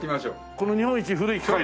この日本一古い機械で。